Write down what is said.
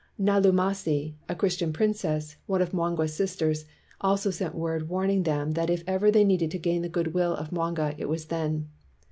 Nalumasi, a Christian princess, one of Mwanga 's sisters, also sent word warning them that if ever they needed to gain the good will of Mwanga it was then.